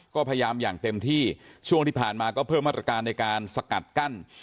ก็พยายามอย่างเต็มที่ช่วงที่ผ่านมาก็เพิ่มมาตรการในการสกัดกั้น